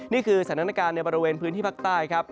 นี่คือสถานการณ์ในบริเวณพื้นที่ภาคใต้ครับ